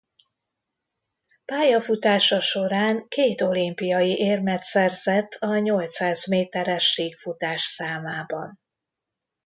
Pályafutása során két olimpiai érmet szerzett a nyolcszáz méteres síkfutás számában.